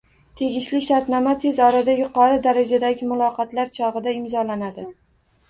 Tegishli shartnoma tez orada yuqori darajadagi muloqotlar chog‘ida imzolanadi